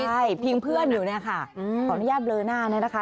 ใช่พิงเพื่อนอยู่เนี่ยค่ะขออนุญาตเบลอหน้าเนี่ยนะคะ